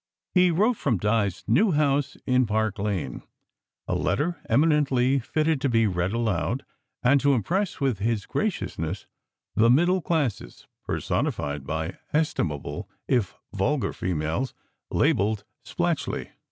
He wrote from Di s new house in Park Lane, a letter eminently fitted to be read aloud, and to impress with his graciousness the middle classes personified by estimable if vulgar females labelled Splatchley.